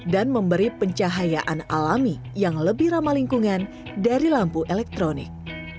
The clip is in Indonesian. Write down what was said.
dan memberi pencahayaan alami yang lebih ramah lingkungan dari lampu elektronik